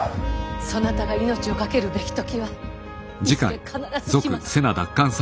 そなたが命を懸けるべき時はいずれ必ず来ます。